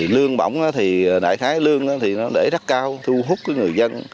lương bổng đại khái lương rất cao thu hút người dân